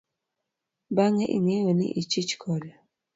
Be ing'eyo ni ichich kode?